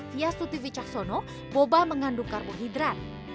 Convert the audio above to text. fias tuti wicaksono boba mengandung karbohidrat